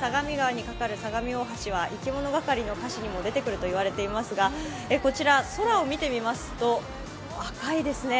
相模川にかかる相模大橋はいきものがかりの歌詞にも出てくると言われていますがこちら空を見てみますと赤いですね。